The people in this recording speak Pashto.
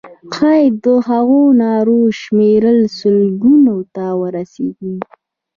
ښایي د هغو نارو شمېر سلګونو ته ورسیږي.